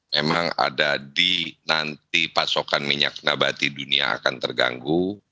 memang ada di nanti pasokan minyak nabati dunia akan terganggu